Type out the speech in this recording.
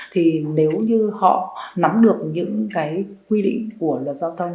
thì nếu như họ nắm được những cái quy định của luật giao thông